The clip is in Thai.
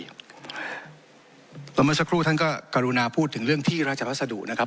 แล้วเมื่อสักครู่ท่านก็กรุณาพูดถึงเรื่องที่ราชพัสดุนะครับ